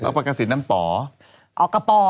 รับประกาศิษย์นั้นป๋อ